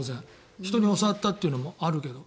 人に教わったのもあるけど。